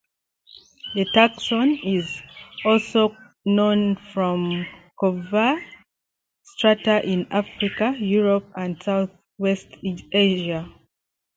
The taxon is also known from coeval strata in Africa, Europe, and southwest Asia.